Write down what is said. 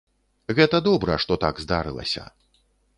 Гэта добра, што так здарылася.